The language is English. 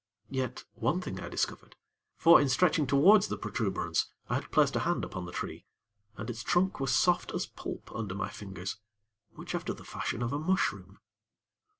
Yet, one thing I discovered; for, in stretching towards the protuberance, I had placed a hand upon the tree, and its trunk was soft as pulp under my fingers, much after the fashion of a mushroom.